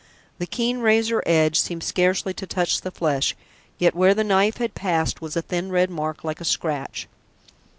The keen razor edge seemed scarcely to touch the flesh, yet where the knife had passed was a thin red mark like a scratch.